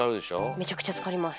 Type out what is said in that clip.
めちゃくちゃつかります。